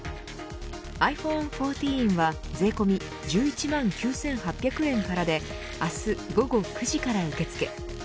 ｉＰｈｏｎｅ１４は税込み１１万９８００円からで明日午後９時から受け付け。